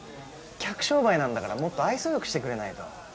客商売なんだからもっと愛想良くしてくれないと。